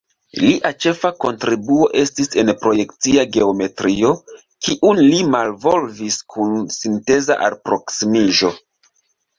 Lia ĉefa kontribuo estis en projekcia geometrio, kiun li malvolvis kun sinteza alproksimiĝo.